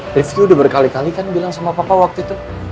rizky udah berkali kali kan bilang sama papa waktu itu